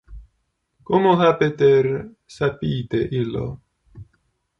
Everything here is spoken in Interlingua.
Como ha Peter sapite illo?